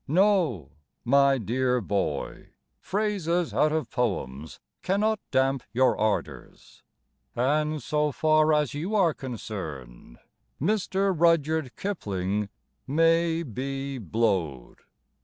No, my dear boy, Phrases out of poems cannot damp your ardours. And, so far as you are concerned, Mr. Rudyard Kipling May Be Blowed!